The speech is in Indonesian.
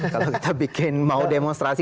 kalau kita bikin mau demonstrasi